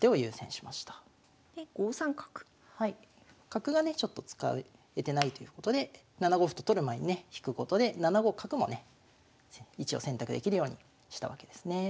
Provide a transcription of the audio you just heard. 角がねちょっと使えてないということで７五歩と取る前にね引くことで７五角もね一応選択できるようにしたわけですね。